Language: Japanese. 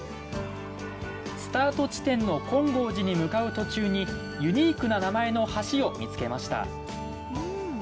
スタート地点の金剛寺に向かう途中にユニークな名前の橋を見つけましたうん。